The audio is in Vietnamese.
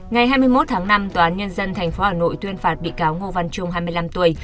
ngày hai mươi một tháng năm tòa án nhân dân tp hà nội tuyên phạt bị cáo ngô văn trung hai mươi năm tuổi